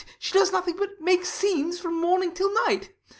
She does nothing but make scenes from morning till night.